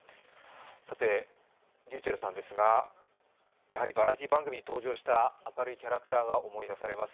ｒｙｕｃｈｅｌｌさんですが、やはりバラエティー番組に登場した明るいキャラクターが思い出されます。